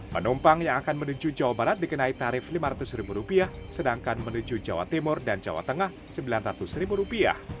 penumpang yang akan menuju jawa barat dikenai tarif rp lima ratus sedangkan menuju jawa timur dan jawa tengah rp sembilan ratus